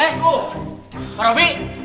eh pak robby